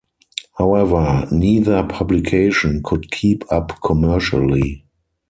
However, neither publication could keep up commercially.